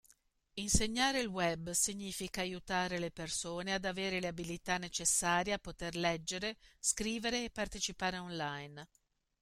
Insegnare il web significa aiutare le persone ad avere le abilità necessarie a poter leggere, scrivere e partecipare online.